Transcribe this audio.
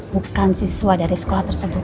bukan siswa dari sekolah tersebut